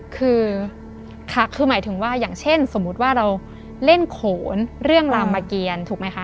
คือคือหมายถึงว่าอย่างเช่นสมมุติว่าเราเล่นโขนเรื่องรามเกียรถูกไหมคะ